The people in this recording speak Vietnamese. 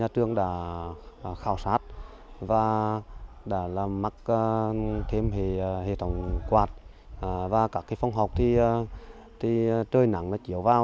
trường đã khảo sát và đã mắc thêm hệ thống quạt và các phòng học thì trời nắng chiều vào